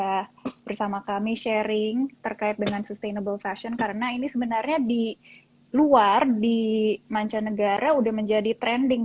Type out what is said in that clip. sudah bersama kami sharing terkait dengan sustainable fashion karena ini sebenarnya di luar di mancanegara udah menjadi trending